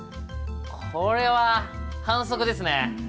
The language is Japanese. これは反則ですね。